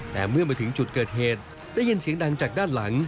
แต่เมื่อมาถึงจุดเกิดเหตุได้ยินเสียงดังจากด้านหลัง